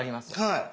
はい。